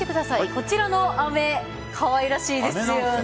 こちらの飴かわいらしいですよね。